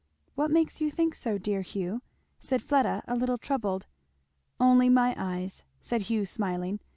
"What makes you think so, dear Hugh?" said Fleda a little troubled. "Only my eyes," said Hugh smiling.